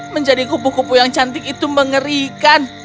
menjadi kupu kupu yang cantik itu mengerikan